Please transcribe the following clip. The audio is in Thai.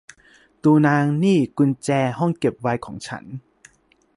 ดู นาง นี่คือกุญแจห้องเก็บไวน์ของฉัน